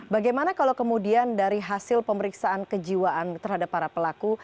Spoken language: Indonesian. bagaimana kalau kemudian dari hasil pemeriksaan kejiwaan terhadap para pelaku